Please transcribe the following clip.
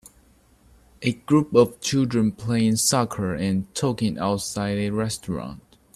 A group of children playing soccer and talking outside a restaurant.